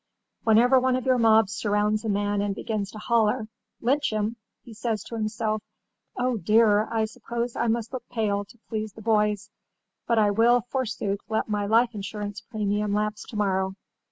Whenever one of your mobs surrounds a man and begins to holler, 'Lynch him!' he says to himself, "Oh, dear, I suppose I must look pale to please the boys, but I will, forsooth, let my life insurance premium lapse to morrow.